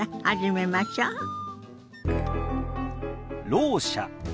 「ろう者」。